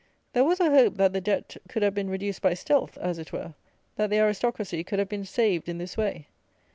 There was a hope, that the debt could have been reduced by stealth, as it were; that the Aristocracy could have been saved in this way.